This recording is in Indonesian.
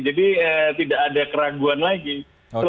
jadi tidak ada keraguan lagi